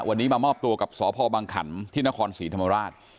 วันนี้มามอบตัวกับที่นครศรีธรรมราช